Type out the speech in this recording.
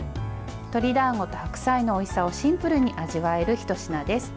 鶏だんごと白菜のおいしさをシンプルに味わえるひと品です。